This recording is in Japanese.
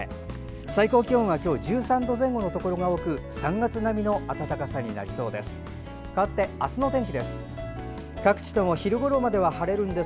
最高気温は今日１３度前後のところが多く３月並みの暖かさになりそうです。